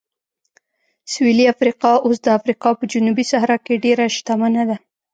سویلي افریقا اوس د افریقا په جنوبي صحرا کې ډېره شتمنه ده.